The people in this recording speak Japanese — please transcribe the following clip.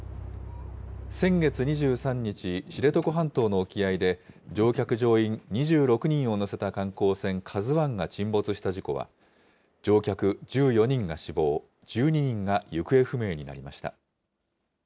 先月２３日、知床半島の沖合で、乗客・乗員２６人を乗せた観光船、ＫＡＺＵＩが沈没した事故は、乗客１４人が死亡、１２人が行方不明になりました。